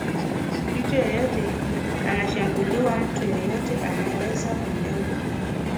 mtu yeyote anashambuliwa mtu yeyote anaweza kulengwa